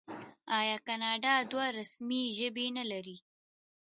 آیا کاناډا دوه رسمي ژبې نلري؟